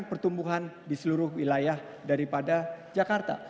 pertumbuhan di seluruh wilayah daripada jakarta